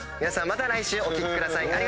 皆さんまた来週お聴きください。